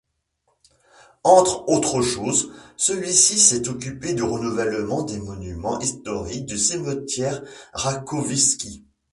Entre autres choses, celui-ci s'est occupé du renouvellement des monuments historiques du cimetière Rakowicki.